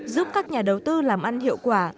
giúp các nhà đầu tư làm ăn hiệu quả